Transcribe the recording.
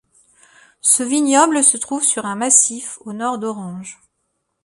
Ce vignoble se trouve sur un massif au nord d'Orange.